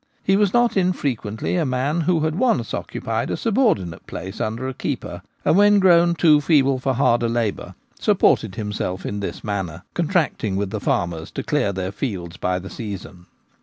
He was not unfrequently a man who had once occu pied a subordinate place under a keeper, and when grown too feeble for harder labour, supported himself in this manner : contracting with the farmers to clear their fields by the season.